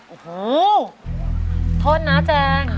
โอ้โหโทษนะแจง